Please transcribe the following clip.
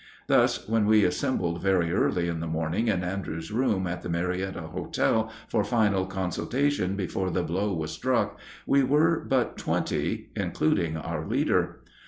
Thus, when we assembled very early in the morning in Andrews's room at the Marietta Hotel for final consultation before the blow was struck we were but twenty, including our leader.